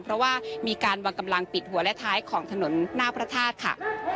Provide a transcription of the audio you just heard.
เพราะว่ามีการวางกำลังปิดหัวและท้ายของถนนหน้าพระธาตุค่ะ